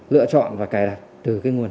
lựa chọn và cài đặt từ cái nguồn